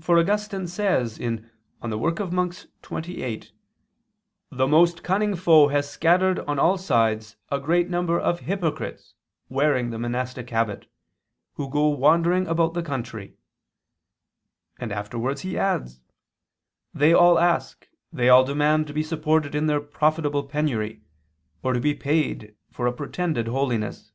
For Augustine says (De oper. Monach. xxviii): "The most cunning foe has scattered on all sides a great number of hypocrites wearing the monastic habit, who go wandering about the country," and afterwards he adds: "They all ask, they all demand to be supported in their profitable penury, or to be paid for a pretended holiness."